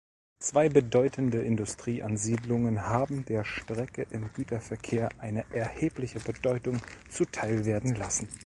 Zwei bedeutende Industrieansiedlungen haben der Strecke im Güterverkehr eine erhebliche Bedeutung zuteilwerden lassen.